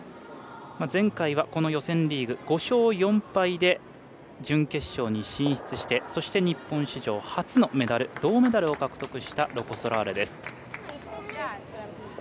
前回は予選リーグ５勝４敗で準決勝に進出してそして、日本史上初のメダル、銅メダルを獲得したロコ・ソラーレです。